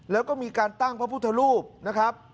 แล้วก็มีการตั้งพระพุทธรูปนะครับ